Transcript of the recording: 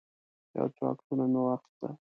یو څو عکسونه مې واخیستل.